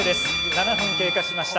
７分経過しました。